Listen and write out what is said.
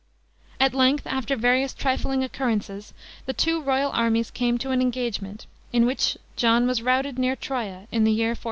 At length, after various trifling occurrences, the two royal armies came to an engagement, in which John was routed near Troia, in the year 1463.